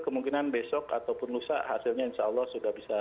kemungkinan besok ataupun lusa hasilnya insya allah semoga berhasil